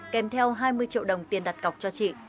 kèm theo hai mươi triệu đồng tiền đặt cọc cho chị